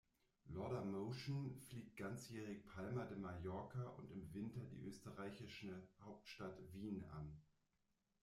Laudamotion fliegt ganzjährig Palma de Mallorca und im Winter die österreichische Hauptstadt Wien an.